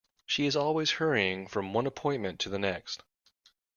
She is always hurrying from one appointment to the next.